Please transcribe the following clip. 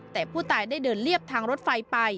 แต่ผู้ตายได้เดินเรียบทางรถไฟไป